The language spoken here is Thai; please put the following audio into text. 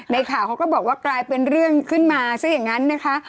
ในข่าวเขาก็บอกว่ากลายเป็นเรื่องขึ้นมาซะอย่างนั้นนะคะ